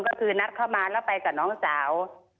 ก็คือนัดเข้ามาแล้วไปกับน้องสาว